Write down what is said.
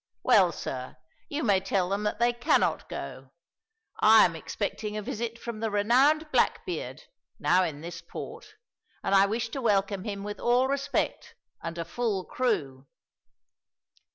Well, sir, you may tell them that they cannot go. I am expecting a visit from the renowned Blackbeard, now in this port, and I wish to welcome him with all respect and a full crew."